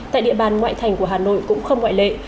tại địa bàn ngoại thành của hà nội cũng không ngoại lệ